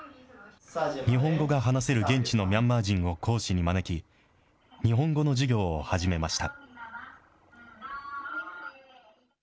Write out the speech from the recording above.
日本語が話せる現地のミャンマー人を講師に招き、日本語の授業を始めました。